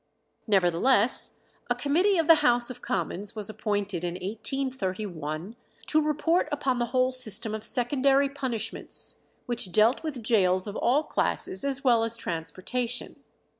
Nevertheless a committee of the House of Commons was appointed in 1831 to report upon the whole system of secondary punishments, which dealt with gaols of all classes, as well as transportation.